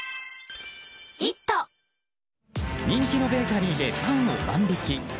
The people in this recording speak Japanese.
人気のベーカリーでパンを万引き。